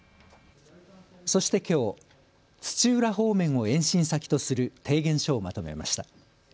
そしてきょう土浦方面を延伸先とする提言書をまとめました。